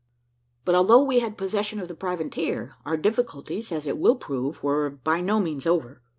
But although we had possession of the privateer, our difficulties, as it will prove, were by no means over.